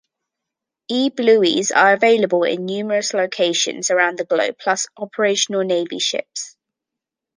E-bluey's are available in numerous locations around the globe plus operational Navy ships.